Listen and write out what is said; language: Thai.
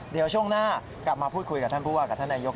เดี๋ยวช่วงหน้ากลับมาพูดคุยกับท่านผู้ว่ากับท่านนายก